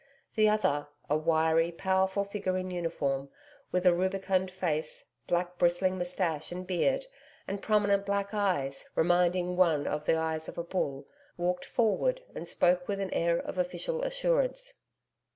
The other a wiry, powerful figure in uniform, with a rubicund face, black bristling moustache and beard and prominent black eyes, reminding one of the eyes of a bull walked forward and spoke with an air of official assurance.